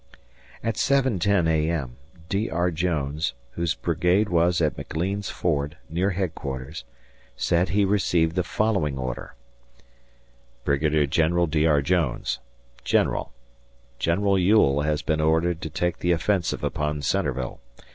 At 7.10 A.M., D. R. Jones, whose brigade was at McLean's Ford near headquarters, said he received the following order: Brigadier General D. R. Jones, General: General Ewell has been ordered to take the offensive upon Centreville.